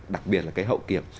đặc biệt là cái hậu kiểm